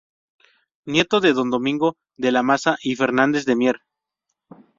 Nieto de Don Domingo de la Maza y Fernández de Mier.